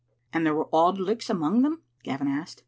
"And there were Auld Lichts among them?" Gavin asked.